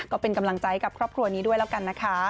ก็เป็นกำลังใจกับครอบครัวนี้ด้วยแล้วกันนะคะ